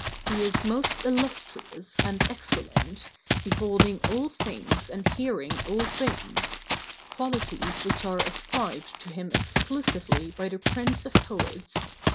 He is most illustrious and excellent, beholding all things and hearing all things—qualities which are ascribed to him exclusively by the prince of poets, Homer.